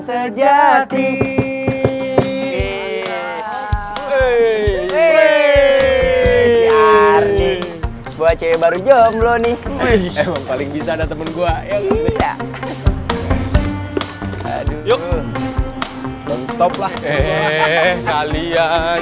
sejati eh eh eh arnie buat cewe baru jomblo nih paling bisa ada temen gua yuk toplah kalian